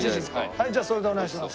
はいじゃあそれでお願いします。